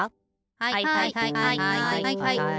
はいはいはい。